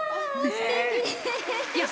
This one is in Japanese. すてき！